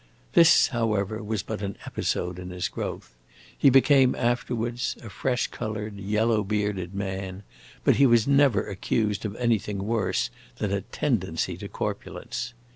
This, however, was but an episode in his growth; he became afterwards a fresh colored, yellow bearded man, but he was never accused of anything worse than a tendency to corpulence.